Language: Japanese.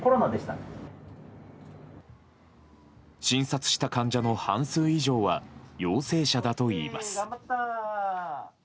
診察した患者の半数以上は陽性者だといいます。